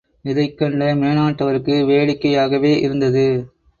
இதைக் கண்ட மேனாட்டவருக்கு வேடிக்கையாகவே இருந்தது.